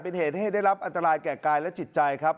เป็นเหตุให้ได้รับอันตรายแก่กายและจิตใจครับ